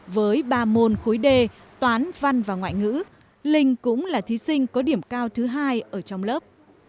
với ba môn khối d toán văn và ngoại ngữ linh cũng là thí sinh có điểm cao thứ hai ở trong lớp